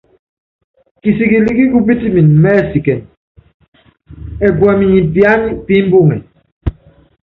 Kisikɛl ki kupítimɛn mɛ́ɛsikɛn ɛkuɛm nyɛ piany pi mbuŋɛ.